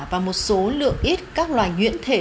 và một số lượng ít các loài nhuyễn thể